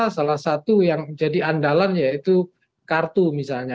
salah satu yang jadi andalan yaitu kartu misalnya